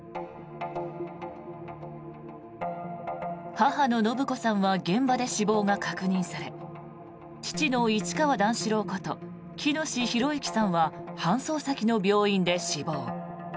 母の延子さんは現場で死亡が確認され父の市川段四郎こと喜熨斗弘之さんは搬送先の病院で死亡。